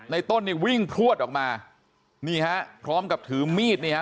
ในต้นเนี่ยวิ่งพลวดออกมาพร้อมกับถือมีดเนี่ย